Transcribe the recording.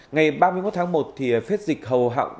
ngày ba mươi một tháng một phết dịch hầu hậu